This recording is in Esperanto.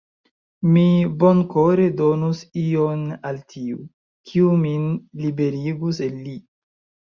Mi bonkore donus ion al tiu, kiu min liberigus el li.